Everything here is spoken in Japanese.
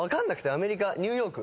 アメリカ「ニューヨーク」